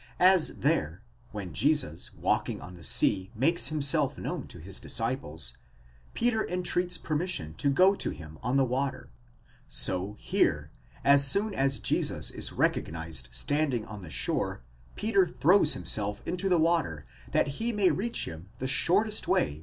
As, there, when Jesus walking on the sea makes himself known to his disciples, Peter entreats permission to go to him on the ~ water; so here, as soon as Jesus is recognized standing on the shore, Peter throws himself into the water that he may reach him the shortest way by 23 See the passayes in Wetstein, p.